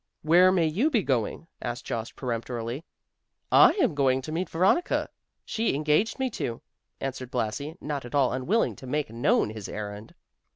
"Where may you be going?" asked Jost peremptorily. "I am going to meet Veronica; she engaged me to," answered Blasi, not at all unwilling to make known his errand.